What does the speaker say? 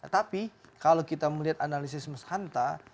tapi kalau kita melihat analisis mas hanta